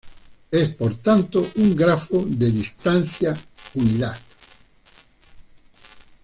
Es por tanto un grafo de distancia unidad.